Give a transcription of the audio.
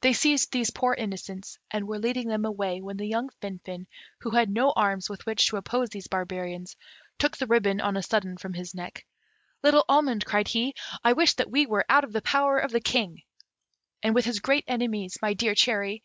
They seized these poor innocents, and were leading them away, when the young Finfin, who had no arms with which to oppose these barbarians, took the ribbon on a sudden from his neck. "Little almond," cried he, "I wish that we were out of the power of the King!" "And with his greatest enemies, my dear cherry!"